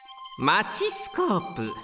マチスコープ。